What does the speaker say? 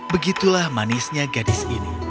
begitulah manisnya gadis ini